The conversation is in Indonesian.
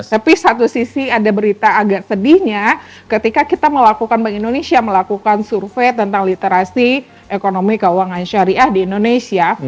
tapi satu sisi ada berita agak sedihnya ketika kita melakukan bank indonesia melakukan survei tentang literasi ekonomi keuangan syariah di indonesia